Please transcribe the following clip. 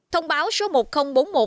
thông báo số một nghìn bốn mươi một